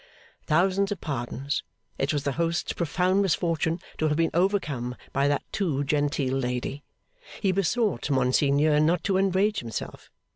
Thousands of pardons! It was the host's profound misfortune to have been overcome by that too genteel lady. He besought Monseigneur not to enrage himself.